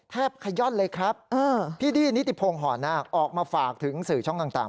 ขย่อนเลยครับพี่ดี้นิติพงศ์ห่อนาคออกมาฝากถึงสื่อช่องต่าง